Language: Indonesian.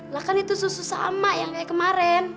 lah kan itu susu sama yang kayak kemarin